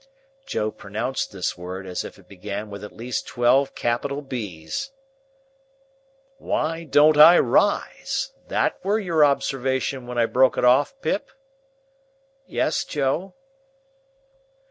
Joe pronounced this word, as if it began with at least twelve capital Bs. "Why don't I rise? That were your observation when I broke it off, Pip?" "Yes, Joe."